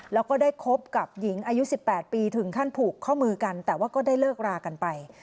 แล้วก็ได้คบกับหญิงอายุ๑๘ปีถึงขั้นผูกข้อมือกันแต่ว่าก็ได้เลิกรากันไป